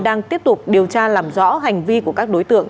đang tiếp tục điều tra làm rõ hành vi của các đối tượng